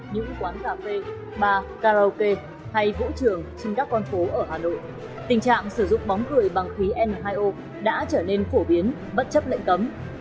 những quán cà phê bà karaoke hay vũ trường trên các con phố ở hà nội tình trạng sử dụng bóng cười bằng khí n hai o đã trở nên phổ biến bất chấp lệnh cấm